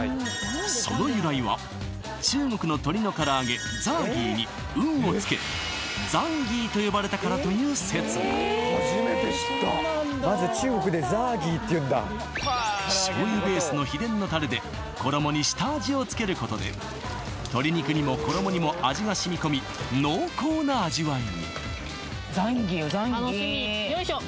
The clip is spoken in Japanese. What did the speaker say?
その由来は中国の鶏のからあげ「ザーギー」に「運」をつけ「ザンギー」と呼ばれたからという説が初めて知った醤油ベースの秘伝のタレで衣に下味をつけることで鶏肉にも衣にも味が染み込み濃厚な味わいにザンギよザンギ楽しみよいしょ